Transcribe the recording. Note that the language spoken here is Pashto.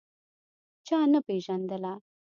چا نه پېژندله.